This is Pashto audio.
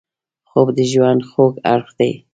خوب د ژوند خوږ اړخ دی